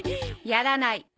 やらない。